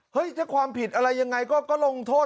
ถ้าความผิดอะไรยังไงก็ลงโทษ